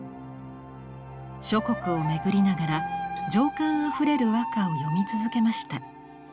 諸国を巡りながら情感あふれる和歌を詠み続けました。